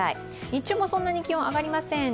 日中もそんなに気温上がりません